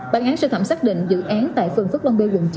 bản án sơ thẩm xác định dự án tại phường phước long b quận chín